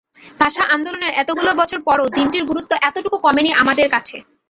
ভাষা আন্দোলনের এতগুলো বছর পরও দিনটির গুরুত্ব এতটুকু কমেনি আমাদের কাছে।